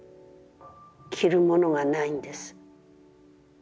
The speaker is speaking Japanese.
着るものがないんです。